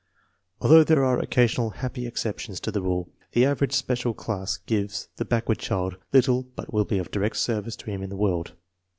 Although there are occasional happy ex ceptions to the rule, the average special class gives the backward child little that will be of direct service to him in the world.